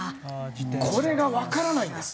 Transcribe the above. これがわからないんです。